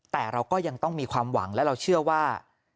แต่เราก็ยังต้องมีความหวังและเราเชื่อว่า